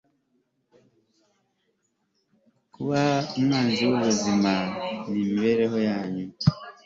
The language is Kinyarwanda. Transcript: kuba umwanzi wubuzima nimibereho yanyu